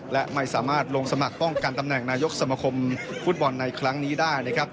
และไม่สามารถลงสมัครป้องกันตำแหน่งนายกสมคมฟุตบอลในครั้งนี้ได้นะครับ